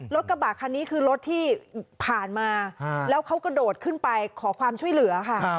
รถกระบะคันนี้คือรถที่ผ่านมาแล้วเขากระโดดขึ้นไปขอความช่วยเหลือค่ะ